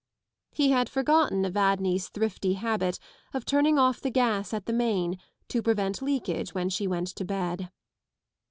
He had forgotten Evadne's thrifty habit of turning off the gas at the main to prevent leakage when she went to bed.